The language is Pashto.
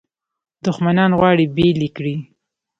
دښمنان غواړي بیل یې کړي.